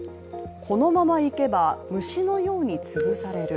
このままいけば、虫のように潰される。